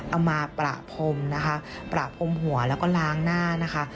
เอามาประพรมนะคะประพรมหัวแล้วก็ล้างหน้านะคะ